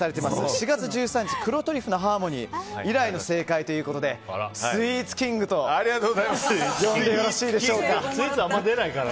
４月１３日黒トリュフのハーモニー以来の正解ということでスイーツキングと呼んでよろしいでしょうか。